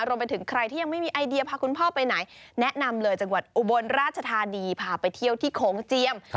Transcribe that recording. รวมไปถึงใครที่ยังไม่มีไอเดียพาคุณพ่อไปไหนแนะนำเลยจังหวัดอุบลราชธานีพาไปเที่ยวที่โขงเจียม